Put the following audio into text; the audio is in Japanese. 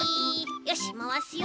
よしまわすよ。